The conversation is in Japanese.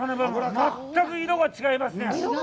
全く色が違いますね。